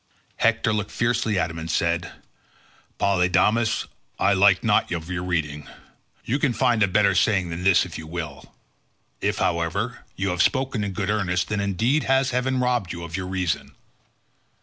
Hector looked fiercely at him and said, "Polydamas, I like not of your reading. You can find a better saying than this if you will. If, however, you have spoken in good earnest, then indeed has heaven robbed you of your reason.